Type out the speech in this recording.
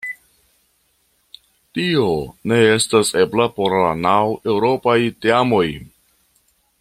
Tio ne estas ebla por la naŭ eŭropaj teamoj.